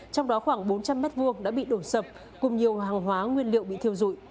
trong đó khoảng bốn trăm linh m hai đã bị đổ sập cùng nhiều hàng hóa nguyên liệu bị thiêu dụi